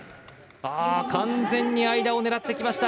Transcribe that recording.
完全に間を狙ってきました。